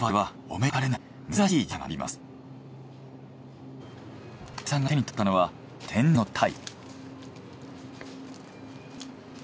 今井さんが手に取ったのは天然のタイ。